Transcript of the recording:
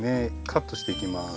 カットしていきます。